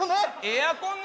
エアコン